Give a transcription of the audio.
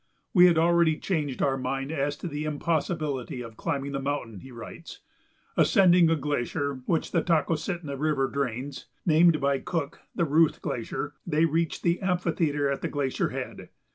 "We had already changed our mind as to the impossibility of climbing the mountain," he writes. Ascending a glacier which the Tokositna River drains, named by Cook the Ruth Glacier, they reached the amphitheatre at the glacier head.